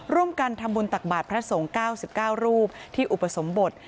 ร่วมกันทำบุญตักบาทพระสงฆ์๙๙รูปที่อุปสมบท